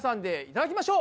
いただきます！